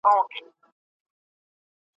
ميرمنې ته په طلاق کې کومې ستونزې پيښيږي؟